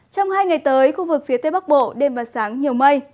trong hai ngày tới khu vực phía tây bắc bộ đêm và sáng nhiều mây